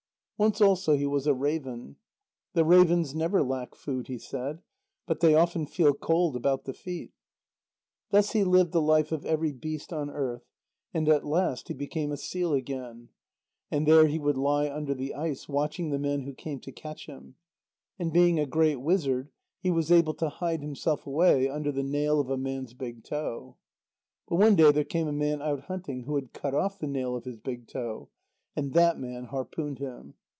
Once also he was a raven. "The ravens never lack food," he said, "but they often feel cold about the feet." Thus he lived the life of every beast on earth. And at last he became a seal again. And there he would lie under the ice, watching the men who came to catch him. And being a great wizard, he was able to hide himself away under the nail of a man's big toe. But one day there came a man out hunting who had cut off the nail of his big toe. And that man harpooned him.